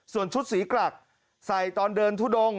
ส่วนชุดสีกรักใส่ตอนเดินทุดง